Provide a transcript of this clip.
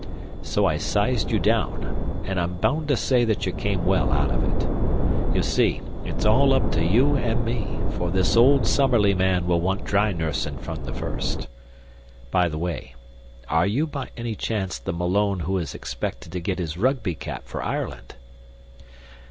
So I sized you down, and I'm bound to say that you came well out of it. You see, it's all up to you and me, for this old Summerlee man will want dry nursin' from the first. By the way, are you by any chance the Malone who is expected to get his Rugby cap for Ireland?"